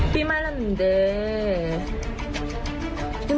วี่ยัง